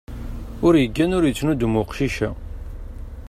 Ur yeggan ur yettnudum uqcic-a.